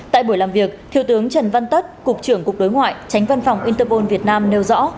tại buổi làm việc thiếu tướng trần văn tất cục trưởng cục đối ngoại tránh văn phòng interpol việt nam nêu rõ